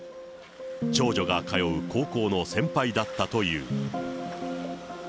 長女が通う高校の先輩だったという。